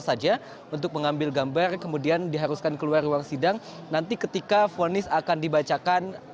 saja untuk mengambil gambar kemudian diharuskan keluar ruang sidang nanti ketika fonis akan dibacakan